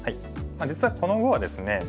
実はこの碁はですね